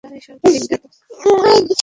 আল্লাহই সর্বাধিক জ্ঞাত।